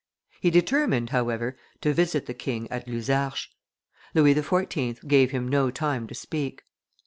He determined, however, to visit the king at Luzarches. Louis XIV. gave him no time to speak.